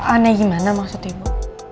aneh gimana maksud ibu